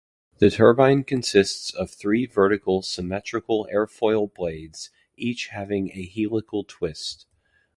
The turbine consists of three vertical symmetrical airfoil blades, each having a helical twist.